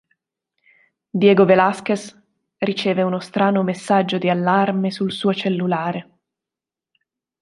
Diego Velázquez riceve uno strano messaggio di allarme sul suo cellulare.